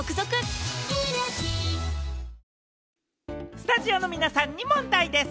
スタジオの皆さんに問題です。